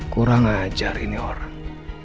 kurang ajarin orang